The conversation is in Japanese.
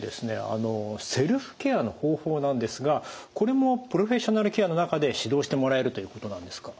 あのセルフケアの方法なんですがこれもプロフェッショナルケアの中で指導してもらえるということなんですか？